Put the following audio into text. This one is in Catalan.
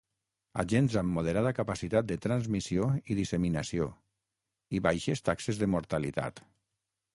Agents amb moderada capacitat de transmissió i disseminació i baixes taxes de mortalitat.